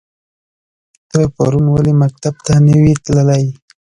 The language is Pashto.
ته پرون ولی مکتب ته نه وی تللی؟